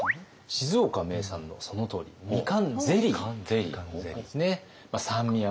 静岡名産のそのとおりみかんゼリーなんですね。